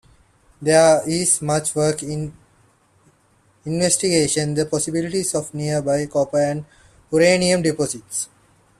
There is much work investigating the possibility of nearby copper and uranium deposits.